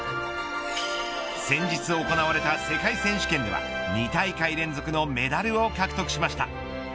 先日行われた世界選手権では２大会連続のメダルを獲得しました。